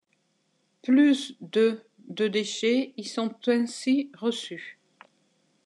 Plus de de déchets y sont ainsi reçues.